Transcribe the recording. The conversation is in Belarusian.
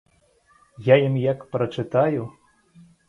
Я ім як прачытаю!